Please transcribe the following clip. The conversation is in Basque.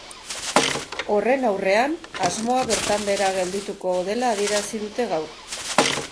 Horren aurrean, asmoa bertan behera geldituko dela adierazi dute gaur.